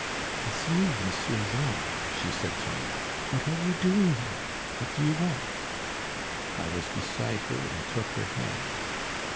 "It's you, Monsieur Jean," she said to me. "What are you doing there? What do you want?" I was beside her and took her hand.